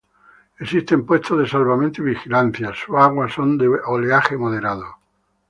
Existen puestos de salvamento y vigilancia y sus aguas son de oleaje moderado.